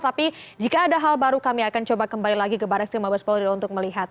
tapi jika ada hal baru kami akan coba kembali lagi ke barak sengkabar spolio untuk melihat